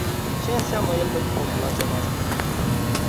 Ce înseamnă el pentru populația noastră?